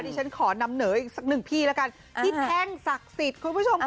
ฉันขอนำเหนออีกสักหนึ่งพี่แล้วกันที่แท่งศักดิ์สิทธิ์คุณผู้ชมค่ะ